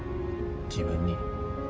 自分に。